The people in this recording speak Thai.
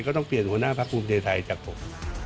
ก็ต้องเปลี่ยนหัวหน้าพรรคกลุ่มใยไทยจากผม